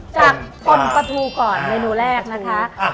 จากคนปะทูก่อนเมนูแรกนะคะ